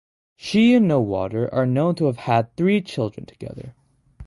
She and No Water are known to have had three children together.